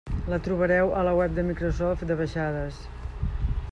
La trobareu a la web de Microsoft de baixades.